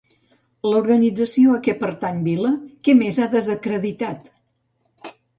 L'organització a què pertany Vila, què més ha desacreditat?